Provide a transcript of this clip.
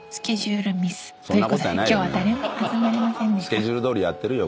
スケジュールどおりやってるよ